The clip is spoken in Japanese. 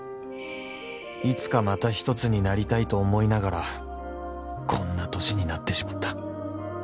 ［いつかまた一つになりたいと思いながらこんな年になってしまった］